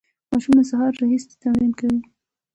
ماشوم له سهاره راهیسې تمرین کوي.